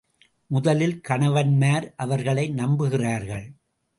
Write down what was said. முதலில் கணவன்மார் அவர்களை நம்புகிறார்கள்.